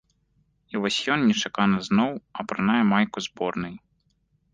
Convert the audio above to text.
І вось ён нечакана зноў апранае майку зборнай.